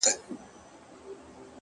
o د ښایستونو خدایه سر ټيټول تاته نه وه؛